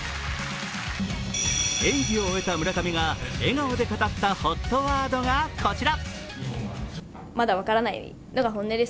演技を終えた村上が笑顔で語ったＨＯＴワードがこちら。